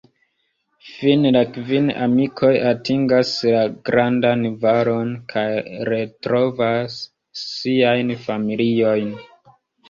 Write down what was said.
Fine la kvin amikoj atingas la "Grandan Valon" kaj retrovas siajn familiojn.